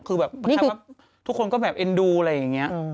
คือแบบทุกคนก็แบบเค็มดูอะไรอย่างนี้